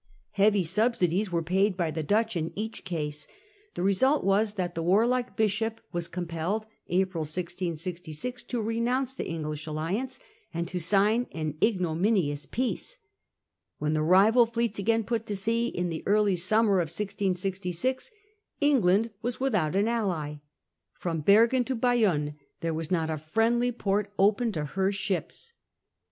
Heavy Bishop of subsidies were paid by the Dutch in each case, makepeace, The result was that the warlike Bishop was April, 1666. compelled (April 1666) to renounce the English alliance, and to sign an ignominious peace. When the rival fleets again put to sea, in the early summer of 1666, England was without an ally. From Bergen to Bayonne there was not a friendly port open to her ships.